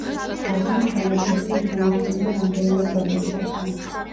გაგამ ჩანაწერზე ითანამშრომლა რამდენიმე პროდიუსერთან.